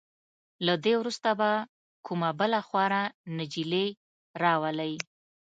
له دې وروسته به کومه بله خواره نجلې راولئ.